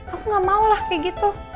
aku gak maulah kayak gitu